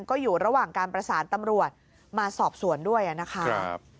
ก็อยู่ระหว่างการประสานตำรวจมาสอบสวนด้วยนะครับ